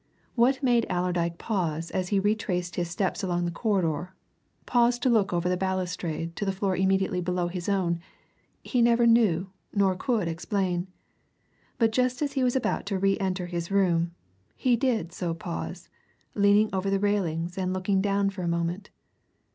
What made Allerdyke pause as he retraced his steps along the corridor, pause to look over the balustrade to the floor immediately below his own, he never knew nor could explain. But, just as he was about to re enter his room, he did so pause, leaning over the railings and looking down for a moment.